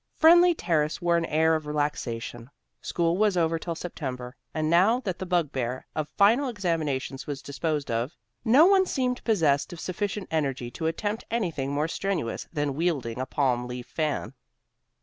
Friendly Terrace wore an air of relaxation. School was over till September, and now that the bugbear of final examinations was disposed of, no one seemed possessed of sufficient energy to attempt anything more strenuous than wielding a palm leaf fan.